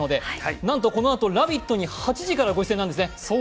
なんとこのあと「ラヴィット！」に８時からご出演なんですね。